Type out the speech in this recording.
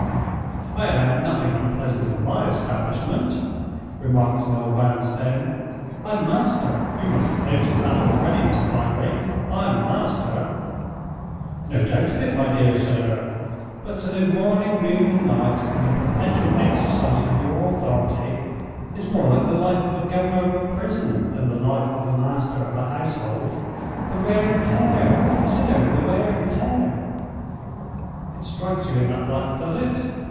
"I allow nothing unpleasant in my establishment," remarked Noel Vanstone. "I'm master—you must have noticed that already, Mr. Bygrave—I'm master." "No doubt of it, my dear sir. But to live morning, noon, and night in the perpetual exercise of your authority is more like the life of a governor of a prison than the life of a master of a household. The wear and tear—consider the wear and tear." "It strikes you in that light, does it?"